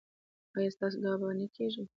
ایا ستاسو دعا به نه کیږي؟